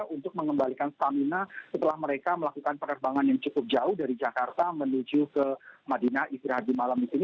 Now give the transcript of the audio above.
untuk mengembalikan stamina setelah mereka melakukan penerbangan yang cukup jauh dari jakarta menuju ke madinah istirahat di malam di sini